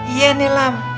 iya nih lam